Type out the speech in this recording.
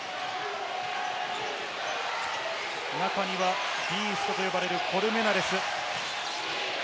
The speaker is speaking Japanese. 中にはビーストと呼ばれるコルメナレス。